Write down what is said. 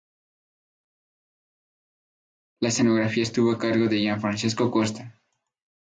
La escenografía estuvo a cargo de Gianfrancesco Costa.